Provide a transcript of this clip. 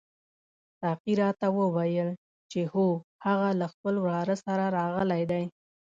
ساقي راته وویل چې هو هغه له خپل وراره سره راغلی دی.